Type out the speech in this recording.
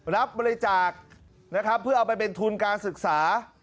รับบริจาคนะครับเพื่อเอาไปเป็นทุนการศึกษา